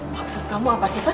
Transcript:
maksud kamu apa sih pak